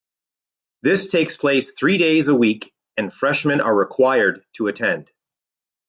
This takes place three days a week and freshmen are required to attend.